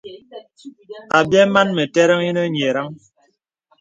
Àbyɛ̌ màn mə̀tə̀ràŋ ìnə nyə̀rəŋ.